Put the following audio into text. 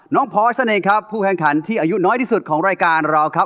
น้องพอร์ชท่านเองครับผู้แห่งขันที่อายุน้อยที่สุดของรายการเราครับ